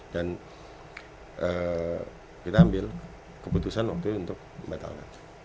dan kita ambil keputusan waktu itu untuk betalkan